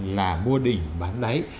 là mua đỉnh bán đáy